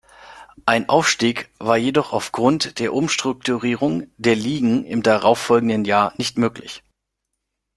Ein Aufstieg war jedoch aufgrund der Umstrukturierung der Ligen im darauffolgenden Jahr nicht möglich.